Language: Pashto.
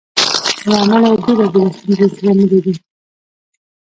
له امله یې بېلابېلې ستونزې زغملې دي.